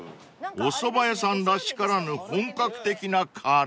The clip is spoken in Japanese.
［おそば屋さんらしからぬ本格的なカレー］